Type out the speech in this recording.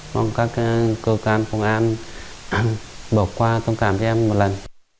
mong các cơ quan công an bỏ qua tông cảm cho em một lần